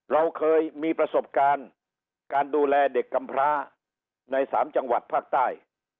เราเคยมีประสบการณ์การดูแลเด็กกำพร้าใน๓จังหวัดภาคใต้